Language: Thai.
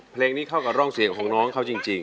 เพลงนี้เข้ากับร่องเสียงของน้องเขาจริง